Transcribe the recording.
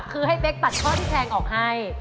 คือให้เป็คตัดข้อสิกแทงออกให้